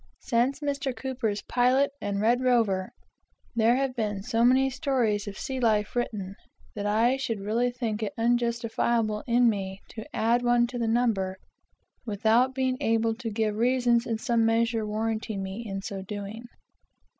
Since Mr. Cooper's Pilot and Red Rover, there have been so many stories of sea life written, that I should really think it unjustifiable in me to add one to the number without being able to give reasons in some measure warranting me in so doing.